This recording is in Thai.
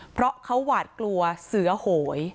เพราะเขาหวาดกลัวเสือโหย